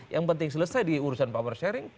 yang penting selesai diurusan power sharing